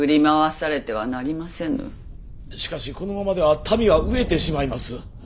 しかしこのままでは民は飢えてしまいます。